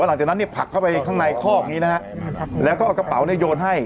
หลังจากนั้นเนี่ยผลักเข้าไปข้างในคอกอย่างนี้นะฮะแล้วก็เอากระเป๋าเนี่ยโยนให้